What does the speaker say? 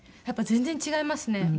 やっぱり全然違いますね。